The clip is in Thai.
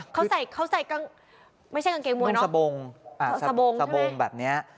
เขาใส่ไม่ใช่กางเกงมัวเนอะน้องสะโบงสะโบงใช่ไหมสะโบงแบบเนี้ย